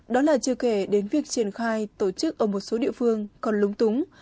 đó là chưa kể đến việc triển khai tổ chức ở một số địa phương còn lúng túng